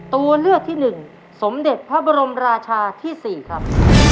ตัวเลือกที่๑สมเด็จพระบรมราชาที่๔ครับ